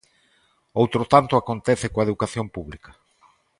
Outro tanto acontece coa educación pública.